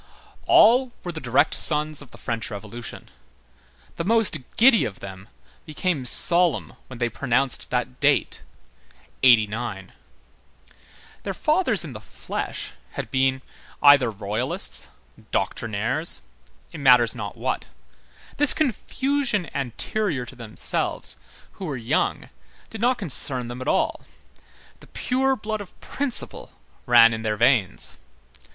All were the direct sons of the French Revolution. The most giddy of them became solemn when they pronounced that date: '89. Their fathers in the flesh had been, either royalists, doctrinaires, it matters not what; this confusion anterior to themselves, who were young, did not concern them at all; the pure blood of principle ran in their veins.